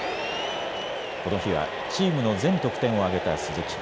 この日はチームの全得点を挙げた鈴木。